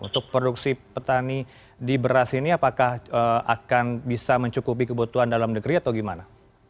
untuk produksi petani di beras ini apakah akan bisa mencukupi kebutuhan dalam negeri atau gimana